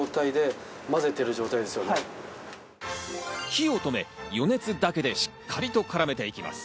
火を止め、余熱だけでしっかりと絡めていきます。